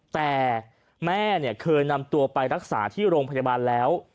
แต่แม่เคยนำตัวไปรักษาที่โรงพยาบาลแล้ว